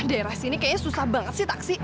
daerah sini kayaknya susah banget sih taksi